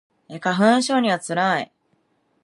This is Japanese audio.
花粉症には辛い